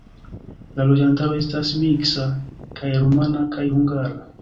La loĝantaro estas miksa: kaj rumana kaj hungara.